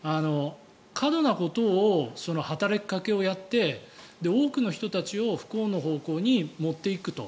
過度なことを、働きかけをやって多くの人たちを不幸な方向に持っていくと。